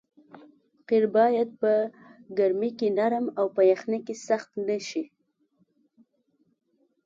قیر باید په ګرمۍ کې نرم او په یخنۍ کې سخت نه شي